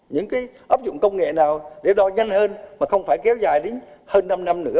những cái áp dụng công nghệ nào để đo nhanh hơn mà không phải kéo dài đến hơn năm năm nữa